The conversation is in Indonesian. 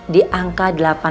di angka delapan